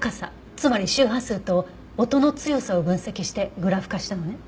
つまり周波数と音の強さを分析してグラフ化したのね。